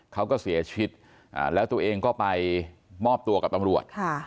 เขาก็เสียชีวิตแล้วตัวเองก็ไปมอบตัวกับตำรวจ